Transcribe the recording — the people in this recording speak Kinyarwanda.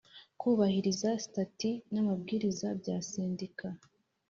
Kubahiriza sitati n amabwiriza bya sendika